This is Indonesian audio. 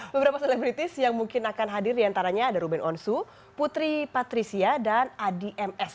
beberapa selebritis yang mungkin akan hadir diantaranya ada ruben onsu putri patricia dan adi ms